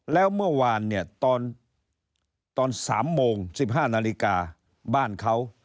แล้วเมื่อวานเนี่ยตอน๓โมง๑๕นาฬิกาบ้านเขา